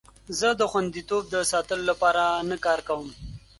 زه د خوندیتوب د ساتلو لپاره نه کار کوم.